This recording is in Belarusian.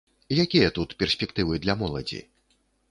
Якія тут перспектывы для моладзі?